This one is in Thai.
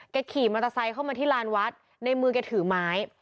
ขี่มอเตอร์ไซค์เข้ามาที่ลานวัดในมือแกถือไม้